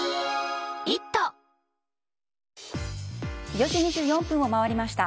４時２４分を回りました。